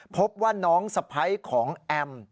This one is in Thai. พบว่าน้องสะพ้ายของแอม